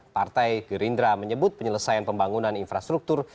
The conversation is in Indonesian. partai gerindra menyebut penyelesaian pembangunan infrastruktur